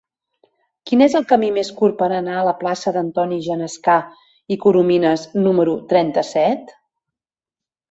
Quin és el camí més curt per anar a la plaça d'Antoni Genescà i Corominas número trenta-set?